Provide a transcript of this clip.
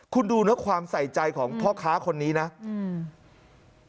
คุณดูนะความใส่ใจของพ่อค้าคนนี้นะอืม